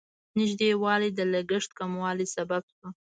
نږدېوالی د لګښت کمولو سبب شو.